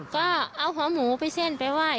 ก็เอาหัวหมูไปเส้นไปไหว้